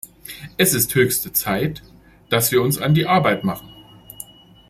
Es ist höchste Zeit, dass wir uns an die Arbeit machen.